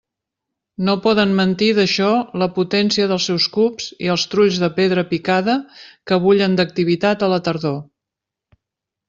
No poden mentir d'això la potència dels seus cups i els trulls de pedra picada que bullen d'activitat a la tardor.